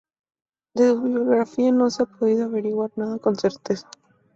De su biografía no se ha podido averiguar nada con certeza.